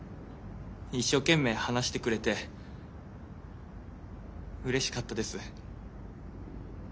一生懸命話してくれてうれしかったです。